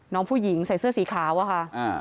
น้องผู้หญิงใส่เสื้อสีขาวอะค่ะ